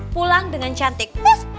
pulang dengan cantik